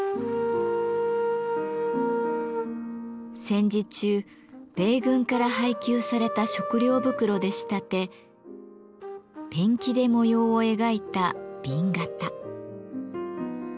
戦時中米軍から配給された食料袋で仕立てペンキで模様を描いた紅型。